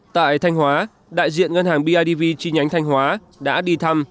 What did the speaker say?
tại thanh hóa đại diện ngân hàng bidv chi nhánh thanh hóa đã đi thăm